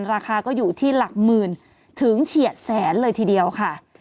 ราคาก็อยู่ที่หลักหมื่นถึงเฉียดแสนเลยทีเดียวค่ะ